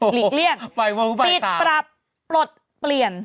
หลีกเลี่ยงปิดปรับปลดเปลี่ยน